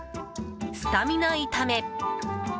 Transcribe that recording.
スタミナ炒め。